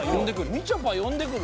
みちょぱ呼んで来る？